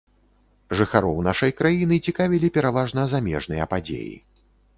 Жыхароў нашай краіны цікавілі пераважна замежныя падзеі.